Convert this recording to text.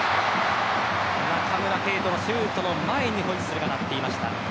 中村敬斗のシュートの前にホイッスルが鳴っていました。